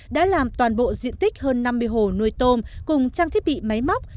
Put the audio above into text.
đã làm toàn bộ diện tích hơn năm mươi hồ nuôi tôm cùng trang thiết bị máy móc